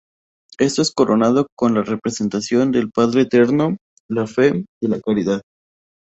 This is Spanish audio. Esto es coronado con la representación del "Padre Eterno", la fe y la Caridad.